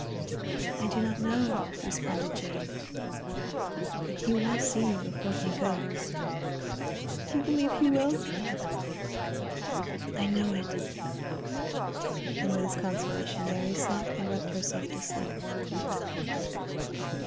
"I do not know," responded Jane, "but he will see you before he goes." "Do you believe he will?" "I know it;" and with this consolation Mary softly wept herself to sleep.